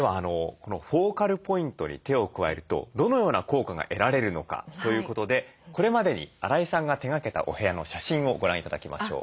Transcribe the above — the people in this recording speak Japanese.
このフォーカルポイントに手を加えるとどのような効果が得られるのかということでこれまでに荒井さんが手がけたお部屋の写真をご覧頂きましょう。